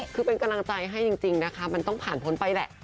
คือเป็นกำลังใจให้จริงนะคะมันต้องผ่านพ้นไปแหละ